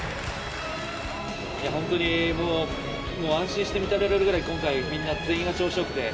本当にもう安心して見てられるくらい、今回、みんな全員が調子よくて。